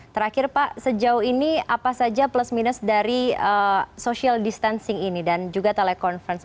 terakhir pak sejauh ini apa saja plus minus dari social distancing ini dan juga telekonferensi